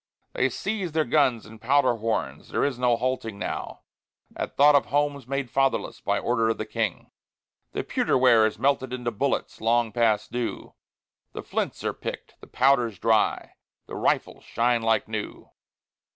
They seize their guns and powder horns; there is no halting now, At thought of homes made fatherless by order of the King. The pewter ware is melted into bullets long past due, The flints are picked, the powder's dry, the rifles shine like new.